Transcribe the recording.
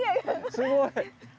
すごい。